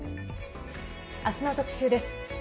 あすの特集です。